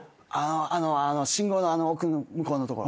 あの信号のあの奥の向こうのところ。